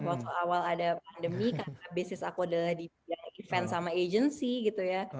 waktu awal ada pandemi karena bisnis aku adalah di event sama agency gitu ya